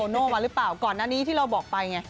เลือกใครก่อนอันนี้ที่เราบอกไปไง